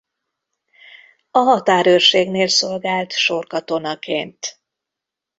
A határőrségnél szolgált sorkatonaként.